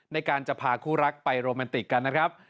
ในการจะพาคู่รักไปโรแมนติกกันนะครับ